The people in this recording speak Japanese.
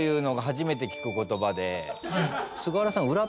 菅原さん裏